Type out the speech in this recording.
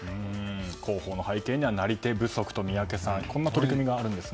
広報の背景には、なり手不足とこんな取り組みがあるんですね。